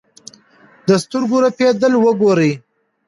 د سترګو رپېدل وګورئ.